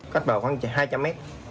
cách bờ khoảng hai trăm linh m